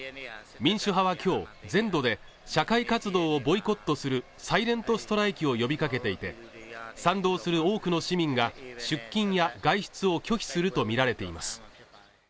民主派はきょう全土で社会活動をボイコットするサイレント・ストライキを呼びかけていて賛同する多くの市民が出勤や外出を拒否すると見られています